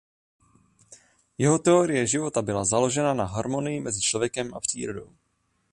Jeho teorie života byla založena na harmonii mezi člověkem a přírodou.